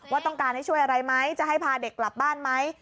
ว่าต้องการให้ช่วยอะไรไหมจะให้พาเด็กกลับบ้านไหม